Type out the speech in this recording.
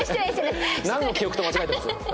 なんの記憶と間違えてます？